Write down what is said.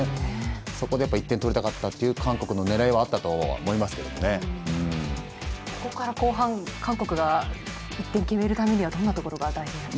そこで１点取りたかったという韓国の狙いはあったとここから後半韓国が１点決めるためにはどんなことが大事になりますか？